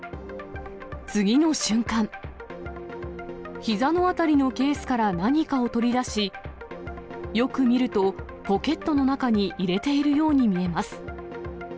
次の瞬間、ひざの辺りのケースから何かを取り出し、よく見ると、ポケットの中に入れているように見えます。